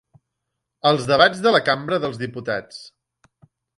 Els debats de la cambra dels diputats.